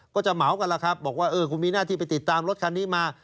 ก็จะเหมากันล่ะครับบอกว่าคุณมีหน้าที่ไปติดตามรถคันนี้มา